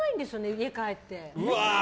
家に帰って。